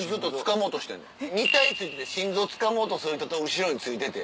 ２体憑いてて心臓をつかもうとする人と後ろに憑いてて。